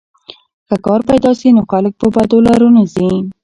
که کار پیدا سي نو خلک په بدو لارو نه ځي.